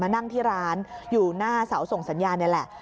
นั่งที่ร้านอยู่หน้าเสาส่งสัญญาณนี่แหละ